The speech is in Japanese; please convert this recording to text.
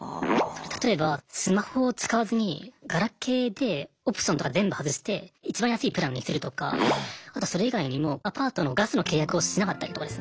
例えばスマホを使わずにガラケーでオプションとか全部外していちばん安いプランにするとかあとそれ以外にもアパートのガスの契約をしなかったりとかですね。